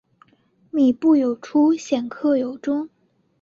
靡不有初鲜克有终